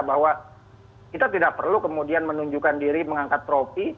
bahwa kita tidak perlu kemudian menunjukkan diri mengangkat tropi